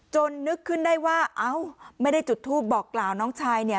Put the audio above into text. จนนึกขึ้นได้ว่าไม่ได้จุดทูบบอกกล่าวน้องชาย